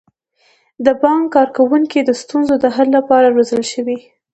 د بانک کارکوونکي د ستونزو د حل لپاره روزل شوي.